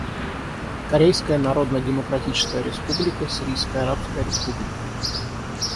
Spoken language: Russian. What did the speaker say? Корейская Народно-Демократическая Республика, Сирийская Арабская Республика.